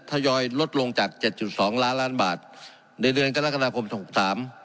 ทยอยลดลงจากเจ็ดจุดสองล้านล้านบาทในเดือนกรกฎาคมหกสาม